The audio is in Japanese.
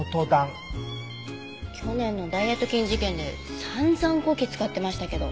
去年のダイエット菌事件で散々こき使ってましたけど。